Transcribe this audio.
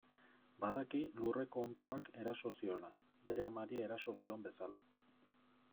Badaki lurreko onddoak eraso ziola, bere amari eraso zion bezala.